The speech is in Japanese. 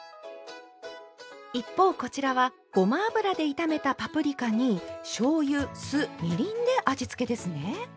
一方こちらはごま油で炒めたパプリカにしょうゆ酢みりんで味付けですね。